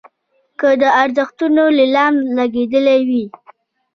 که د ارزښتونو نیلام لګېدلی وي.